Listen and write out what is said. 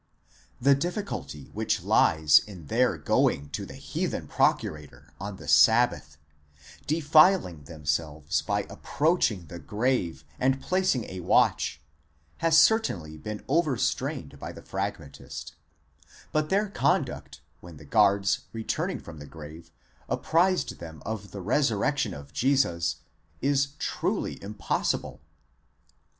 The difficulty which lies in their going to the heathen procurator on the Sabbath, defiling themselves by approaching the grave, and placing a watch, has certainly been overstrained by the Fragmentist ; but their conduct, when the guards, returning from the grave, apprised them of the resurrection of Jesus, is truly impossible.